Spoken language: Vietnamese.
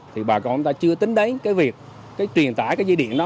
thì bà con chúng ta chưa tính đến việc truyền tải dây điện đó